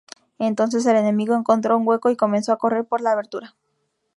Entonces, el enemigo encontró un hueco y comenzó a correr por la abertura.